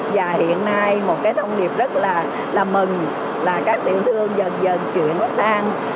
và hiện nay một cái thông điệp rất là mừng là các tiểu thương dần dần chuyển nó sang